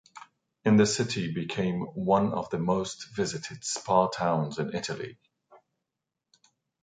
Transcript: In the city became one of the most visited spa towns in Italy.